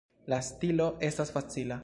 La stilo estas facila.